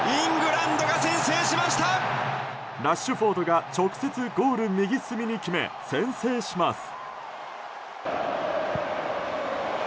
ラッシュフォードが直接ゴール右隅に決め先制します。